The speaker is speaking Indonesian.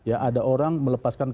ada orang melepaskan kandungan